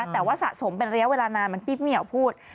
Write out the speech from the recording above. แต่ว่าสะสมเป็นระยะเวลานานมันปี๊ยวพูด